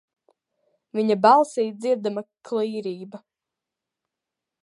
Viņa balsī dzirdama klīrība.